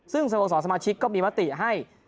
ซึ่งสโมสรสมาชิกก็มีมติให้